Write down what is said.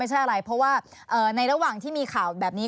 ไม่ใช่อะไรเพราะว่าในระหว่างที่มีข่าวแบบนี้